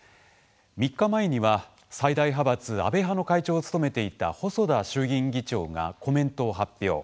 ３日前には最大派閥安倍派の会長を務めていた細田衆議院議長がコメントを発表。